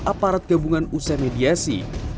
aparat gabungan usai mediasi